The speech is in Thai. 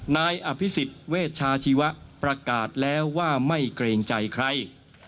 นายอภิษฎเวชาชีวะประกาศแล้วว่าไม่เกรงใจใคร